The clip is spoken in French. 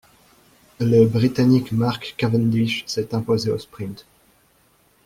Le Britannique Mark Cavendish s'est imposé au sprint.